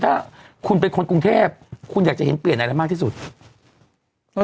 ถ้าคุณเป็นคนกรุงเทพคุณอยากจะเห็นเปลี่ยนอะไรมากที่สุดเออ